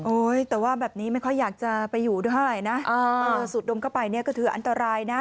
โอ้ยแต่ว่าแบบนี้ไม่ค่อยอยากจะไปอยู่ด้วยนะสุดดมเข้าไปก็คืออันตรายนะ